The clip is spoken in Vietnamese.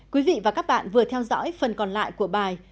quý vị và các bạn vừa theo dõi phần còn lại của bài